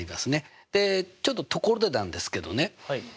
でちょっとところでなんですけどね